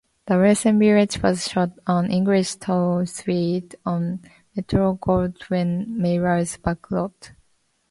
The Welsh village was shot on English Towne Street on Metro-Goldwyn-Mayer's backlot.